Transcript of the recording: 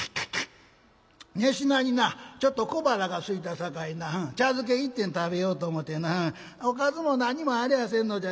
寝しなになちょっと小腹がすいたさかいな茶漬け食べようと思ってなおかずも何もありゃせんのじゃ。